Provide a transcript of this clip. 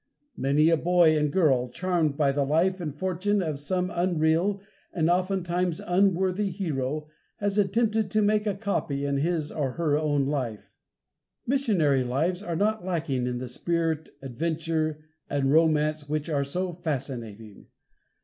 Many a boy and girl, charmed by the life and fortune of some unreal, and oftentimes unworthy, hero, has attempted to make copy in his or her own life. Missionary lives are not lacking in the spirit, adventure and romance which are so fascinating.